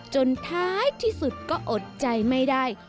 ท้ายที่สุดก็อดใจไม่ได้